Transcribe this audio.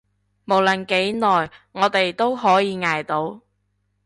無論幾耐，我哋都可以捱到